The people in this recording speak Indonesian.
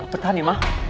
bertahan ya ma